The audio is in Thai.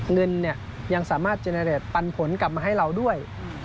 เงินยังสามารถเจนเดชปันผลกลับมาให้เราด้วย